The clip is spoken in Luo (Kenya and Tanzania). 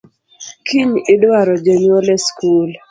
Kiny idwaro jonyuol e school